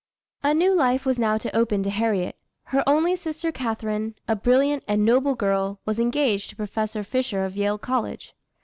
A new life was now to open to Harriet. Her only sister Catharine, a brilliant and noble girl, was engaged to Professor Fisher of Yale College.